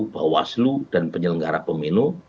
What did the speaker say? bawaslu dan penyelenggara pemenu